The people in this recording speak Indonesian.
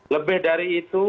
lebih dari itu